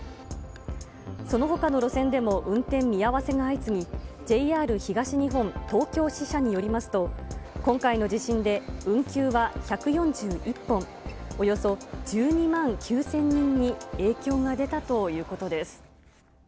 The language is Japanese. そのほかの路線でも、運転見合わせが相次ぎ、ＪＲ東日本東京支社によりますと、今回の地震で運休は１４１本、およそ１２万９０００人に影響が出たということです。